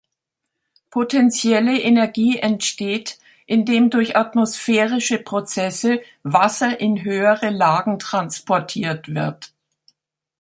Potentielle Energie entsteht, indem durch atmosphärische Prozesse Wasser in höhere Lagen transportiert wird.